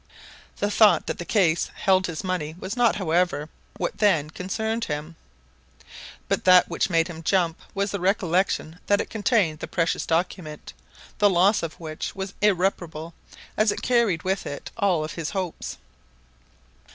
The thought that the case held his money was not however, what then concerned him. But that which made him jump was the recollection that it contained the precious document, the loss of which was irreparable, as it carried with it that of all his hopes.